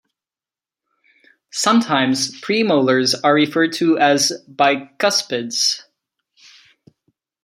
Sometimes, premolars are referred to as bicuspids.